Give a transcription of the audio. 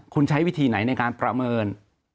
คุณใช้วิธีไหนในการประเมิน